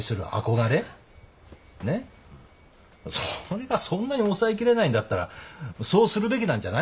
それがそんなに抑えきれないんだったらそうするべきなんじゃないんですかね？